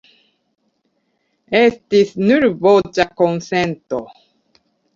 Estis nur voĉa konsento.